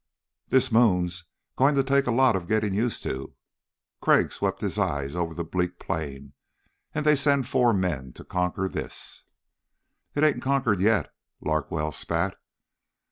"This moon's going to take a lot of getting used to." Crag swept his eyes over the bleak plain. "And they send four men to conquer this." "It ain't conquered yet," Larkwell spat.